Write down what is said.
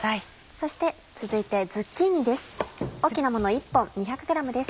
そして続いてズッキーニです。